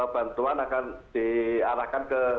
bantuan akan diarahkan ke